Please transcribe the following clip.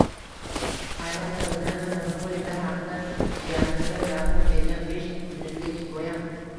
Hayron qoldirgani – monopoliyalar haqida jiyanimga gapirib bergan besh minutlik hikoyam